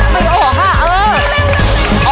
ไม่ออกค่ะเออ